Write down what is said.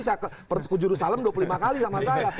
saya ke jurus salam dua puluh lima kali sama saya